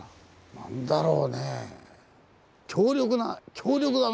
何だろう？